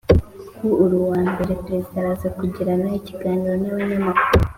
ku uru wa mbere perezida araza kugirana ikiganiro n’abanyamakuru